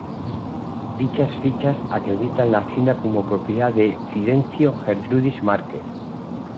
Dichas fichas acreditan la hacienda como propiedad de Fidencio Gertrudis Márquez.